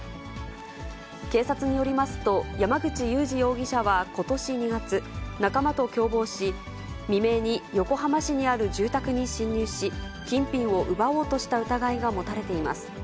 警察によりますと、山口祐司容疑者はことし２月、仲間と共謀し、未明に横浜市にある住宅に侵入し、金品を奪おうとした疑いが持たれています。